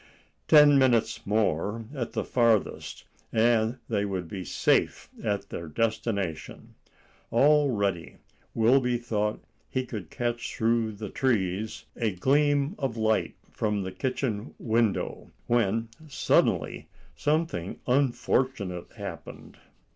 Ten minutes more at the farthest, and they would be safe at their destination. Already Wilby thought he could catch through the trees a gleam of light from the kitchen window, when suddenly something unfortunate happened.